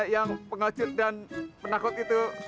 sampai jumpa di video selanjutnya